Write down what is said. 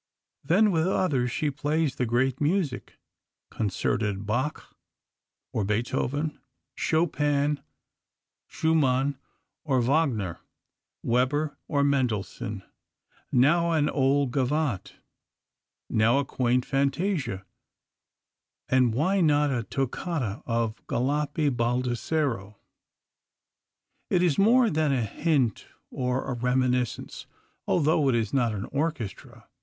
Then with others she plays the great music, concerted Bach or Beethoven, Chopin, Schumann, or Wagner, Weber or Mendelssohn; now an old gavotte, now a quaint fantasia, and why not a toccata of Galuppi Baldassero? It is more than a hint or a reminiscence, although it is not an orchestra.